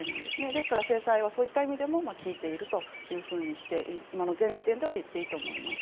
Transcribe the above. ですから、制裁はそういった意味でも効いていると今の現時点では言っていいと思います。